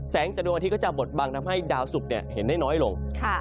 จากดวงอาทิตก็จะบดบังทำให้ดาวสุกเห็นได้น้อยลง